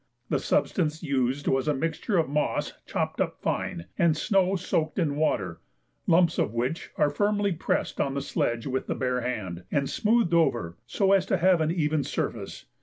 The substance used was a mixture of moss chopped up fine, and snow soaked in water, lumps of which are firmly pressed on the sledge with the bare hand, and smoothed over so as to have an even surface.